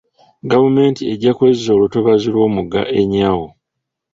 Gavumenti ejja kwezza olutobazi lw'omugga Enyau.